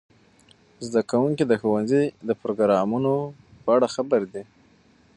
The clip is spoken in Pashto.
زده کوونکي د ښوونځي د پروګرامونو په اړه خبر دي.